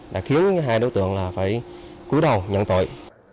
đã khiến hai đối tượng là phải cuối đầu nhận tội